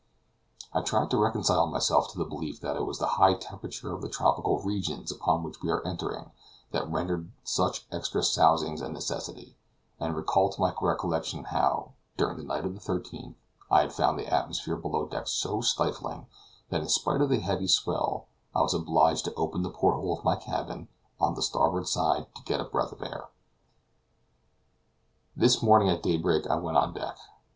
I tried to reconcile myself to the belief that it was the high temperature of the tropical regions upon which we are entering, that rendered such extra sousings a necessity, and recalled to my recollection how, during the night of the 13th, I had found the atmosphere below deck so stifling, that in spite of the heavy swell I was obliged to open the porthole of my cabin, on the starboard side, to get a breath of air. This morning at daybreak I went on deck.